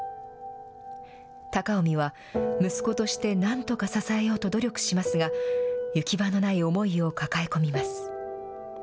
貴臣は、息子としてなんとか支えようと努力しますが、行き場のない思いを抱え込みます。